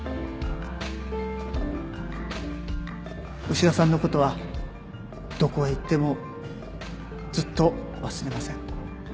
牛田さんのことはどこへ行ってもずっと忘れません